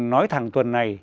nói thẳng tuần này